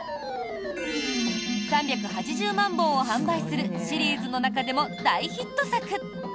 ３８０万本を販売するシリーズの中でも大ヒット作。